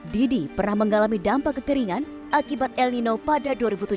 didi pernah mengalami dampak kekeringan akibat el nino pada dua ribu tujuh belas